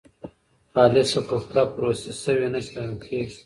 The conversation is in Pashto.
خالصه کوفته پروسس شوې نه شمېرل کېږي.